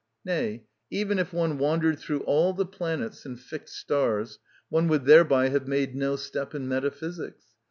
Nay, even if one wandered through all the planets and fixed stars, one would thereby have made no step in metaphysics.